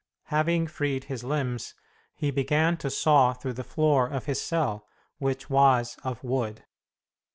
Having freed his limbs, he began to saw through the floor of his cell, which was of wood.